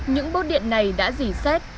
những bốt điện này đã dỉ xét